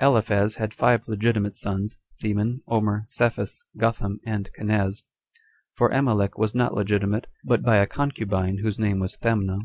Aliphaz had five legitimate sons; Theman, Omer, Saphus, Gotham, and Kanaz; for Amalek was not legitimate, but by a concubine, whose name was Thamna.